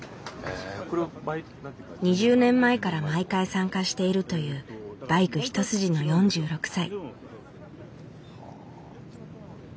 ２０年前から毎回参加しているというバイク一筋の４６歳。